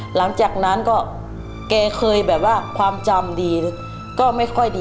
หลังจากนั้นเขาเคยความจำดีแต่ก็ไม่ค่อยดี